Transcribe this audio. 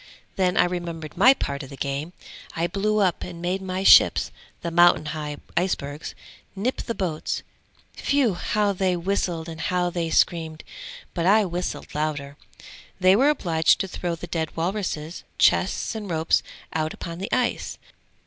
Then I remembered my part of the game! I blew up and made my ships, the mountain high icebergs, nip the boats; whew! how they whistled and how they screamed, but I whistled louder. They were obliged to throw the dead walruses, chests and ropes out upon the ice!